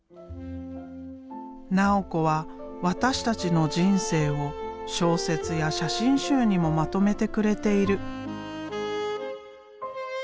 直子は私たちの人生を小説や写真集にもまとめてくれている。